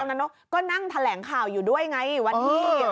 ก็นั่งแสดงแสดงที่แสดงแสดงแสดงข้าวอยู่ด้วยไงวันนี้